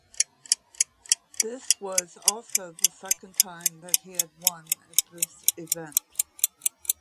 This was also the second time that he had won at this event.